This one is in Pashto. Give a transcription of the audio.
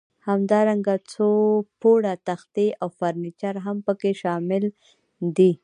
همدارنګه څو پوړه تختې او فرنیچر هم پکې شامل دي.